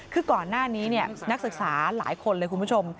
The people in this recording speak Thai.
คือก่อนหน้านี้นักศึกษาหลายคนเลยคุณผู้ชม